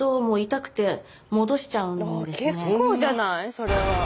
それは。